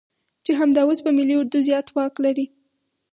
چې همدا اوس په ملي اردو زيات واک لري.